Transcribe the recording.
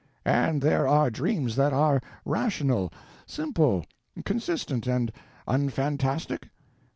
And there are dreams that are rational, simple, consistent, and unfantastic?